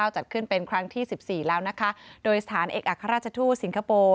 จัดขึ้นเป็นครั้งที่สิบสี่แล้วนะคะโดยสถานเอกอัครราชทูตสิงคโปร์